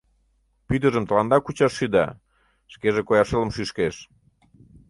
Пӱтыжым тыланда кучаш шӱда, шкеже коя шылым шӱшкеш.